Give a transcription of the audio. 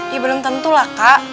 ya belum tentu lah kak